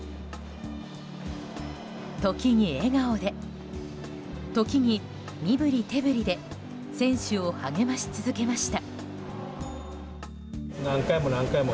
時に笑顔で、時に身振り手振りで選手を励まし続けました。